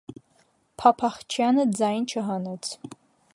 Փափախչյանը ձայն չհանեց.